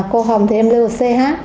cô hồng thì em lưu là ch